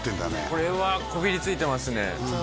これはこびりついてますね